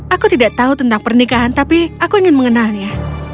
aku tidak tahu tentang pernikahan tapi aku ingin mengenalnya